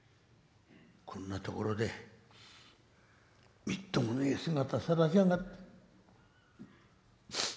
「こんなところでみっともねえ姿さらしやがって。